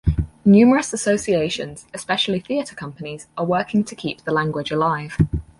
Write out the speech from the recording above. Numerous associations, especially theatre companies, are working to keep the language alive.